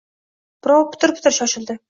Birov pitir-pitir shoshildi.